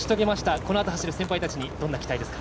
このあと走る先輩たちにどんな期待ですか？